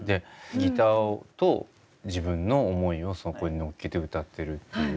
ギターと自分の思いをそこに乗っけて歌ってるっていう。